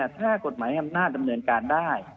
ถ้ากฎหมายอำนาจดำเนินการได้